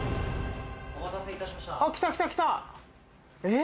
・お待たせいたしましたあっ来た来た来たえっ？